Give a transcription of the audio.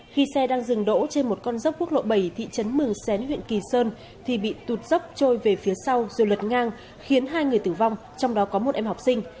khi xe đang dừng đỗ trên một con dốc quốc lộ bảy thị trấn mường xén huyện kỳ sơn thì bị tụt dốc trôi về phía sau rồi lật ngang khiến hai người tử vong trong đó có một em học sinh